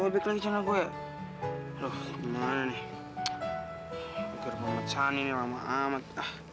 begir banget sani nih lama amat